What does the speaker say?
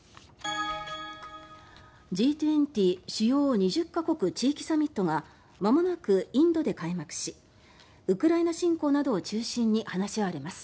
Ｇ２０＝主要２０か国・地域サミットがまもなくインドで開幕しウクライナ侵攻などを中心に話し合われます。